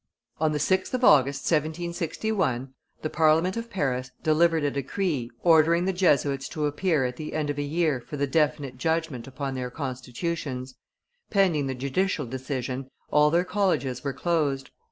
On the 6th of August, 1761, the Parliament of Paris delivered a decree ordering the Jesuits to appear at the end of a year for the definite judgment upon their constitutions; pending the judicial decision, all their colleges were closed.